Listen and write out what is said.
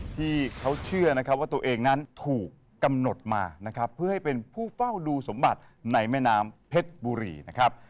ที่เขาเชื่อนะครับว่าตัวเองนั้นถูกกำหนดมานะครับเพื่อให้เป็นผู้เฝ้าดูสมบัติในแม่น้ำเพชรบุรีนะครับ